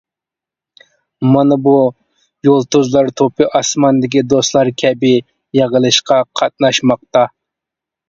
مانا بۇ يۇلتۇزلار توپى ئاسماندىكى دوستلار كەبى يىغىلىشقا قاتناشماقتا.